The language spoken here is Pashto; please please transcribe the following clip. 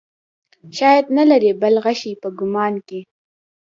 شاید نه لرې بل غشی په کمان کې.